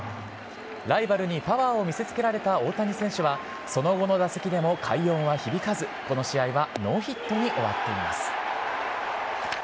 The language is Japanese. ライバルにパワーを見せつけられた大谷選手はその後の打席でも快音を響かせこの試合はノーヒットに終わっています。